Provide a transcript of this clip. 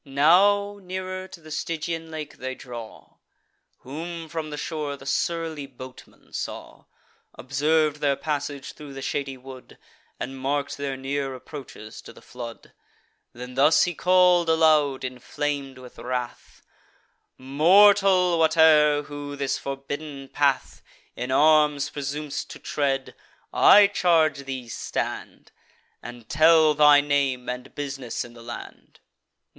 Now nearer to the Stygian lake they draw: Whom, from the shore, the surly boatman saw; Observ'd their passage thro' the shady wood, And mark'd their near approaches to the flood. Then thus he call'd aloud, inflam'd with wrath: "Mortal, whate'er, who this forbidden path In arms presum'st to tread, I charge thee, stand, And tell thy name, and bus'ness in the land.